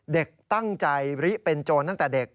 เด็กตั้งใจริเป็นโจรตั้งแต่เด็ก